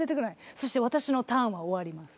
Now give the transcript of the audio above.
そして私のターンは終わります。